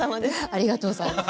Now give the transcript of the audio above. ありがとうございます。